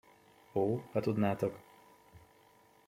Ó, ha tudnátok.